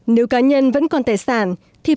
nếu cá nhân vẫn còn tài sản